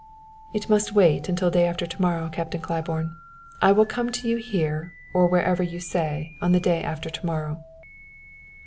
"It must wait until day after to morrow, Captain Claiborne. I will come to you here or wherever you say on the day after to morrow."